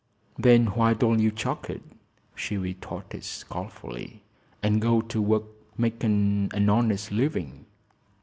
"Then why don't you chuck it," she retorted, scornfully, "and go to work makin' an honest living?"